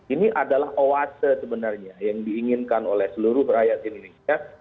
ini adalah oase sebenarnya yang diinginkan oleh seluruh rakyat indonesia